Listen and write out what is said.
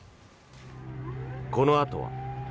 このあとは。